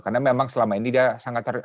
karena memang selama ini dia sangat terburu buru